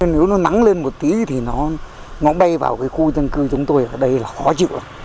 nếu nó nắng lên một tí thì nó bay vào cái khu dân cư chúng tôi ở đây là khó chịu